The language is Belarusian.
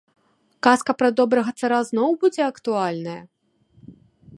Казка пра добрага цара зноў будзе актуальная?